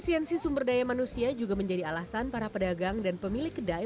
esensi sumber daya manusia juga menjadi alasan para pedagang dan pemilik kedai